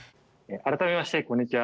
改めましてこんにちは。